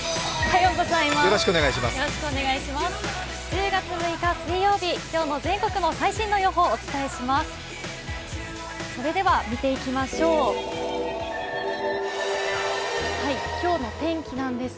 １０月６日水曜日、今日の全国の最新の予報をお伝えします。